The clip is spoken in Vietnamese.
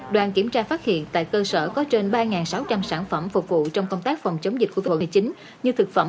đoàn kiểm tra phát hiện tại cơ sở có trên ba sáu trăm linh sản phẩm phục vụ trong công tác phòng chống dịch của phòng hành chính như thực phẩm